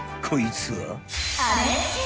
［こいつは］